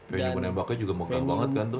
dan venue nembaknya juga mogtang banget kan tuh